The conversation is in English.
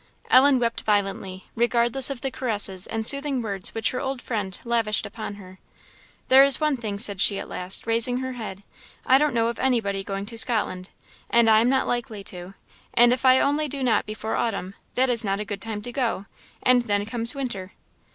Ellen wept violently, regardless of the caresses and soothing words which her old friend lavished upon her. "There is one thing," said she at last, raising her head; "I don't know of anybody going to Scotland, and I am not likely to; and if I only do not before autumn that is not a good time to go, and then comes winter."